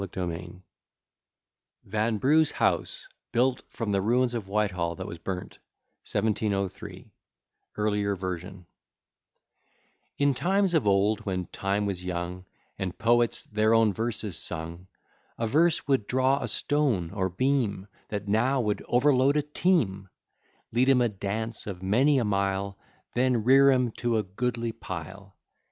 Forster.] VANBRUGH'S HOUSE BUILT FROM THE RUINS OF WHITEHALL THAT WAS BURNT, 1703 In times of old, when Time was young, And poets their own verses sung, A verse would draw a stone or beam, That now would overload a team; Lead 'em a dance of many a mile, Then rear 'em to a goodly pile.